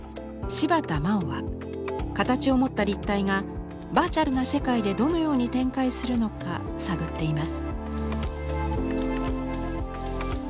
柴田まおは形を持った立体がバーチャルな世界でどのように展開するのか探っています。